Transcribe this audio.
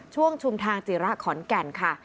ช่วงชุมทางจีระขอนแก่นค่ะ